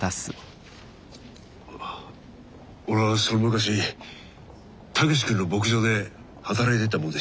あ俺はその昔武志君の牧場で働いていた者でして。